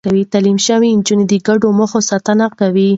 تعليم شوې نجونې د ګډو موخو ساتنه کوي.